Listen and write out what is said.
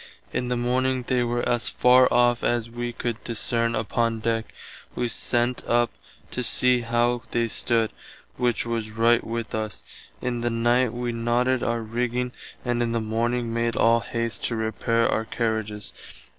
In the morning they were as far off as [wee] could discerne upon deck. Wee sent up to see how they stood, which was right with us. In the night wee knotted our rigging and in the morning made all haist to repare our carriages.